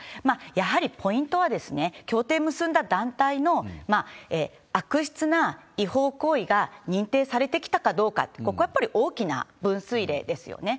やはりポイントは、協定結んだ団体の悪質な違法行為が認定されてきたかどうか、ここはやっぱり大きな分水嶺ですよね。